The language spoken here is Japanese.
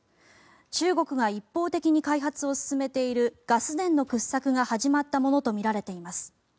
中国が一方的に開発を進めているガス田の掘削が始まったものとみられています。